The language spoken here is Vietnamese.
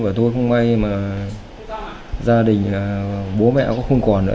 và tôi không may mà gia đình bố mẹ cũng không còn nữa